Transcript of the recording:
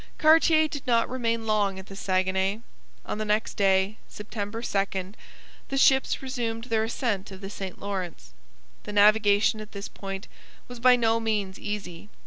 Cartier did not remain long at the Saguenay. On the next day, September 2, the ships resumed their ascent of the St Lawrence. The navigation at this point was by no means easy.